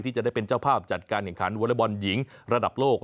จะได้เป็นเจ้าภาพจัดการแข่งขันวอเล็กบอลหญิงระดับโลก